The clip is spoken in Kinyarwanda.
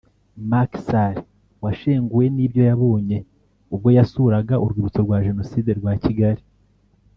Macky Sall washenguwe n’ibyo yabonye ubwo yasuraga Urwibutso rwa Jenoside rwa Kigali